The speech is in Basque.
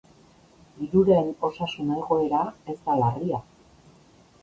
Hiruren osasun egoera ez da larria.